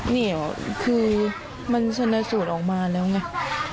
เหนียวคือมันชนสูตรออกมาแล้วไง